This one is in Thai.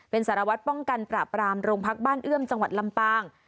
เป็นสารวัตรป้องกันปราบรามโรงพักบ้านเอื้อมจังหวัดลำปาง